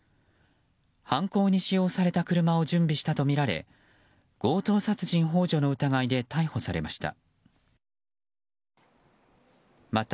犯行に使用された車を準備したとみられ強盗殺人幇助の疑いで逮捕されました。